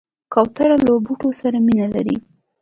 کوتره له بوټو سره مینه لري.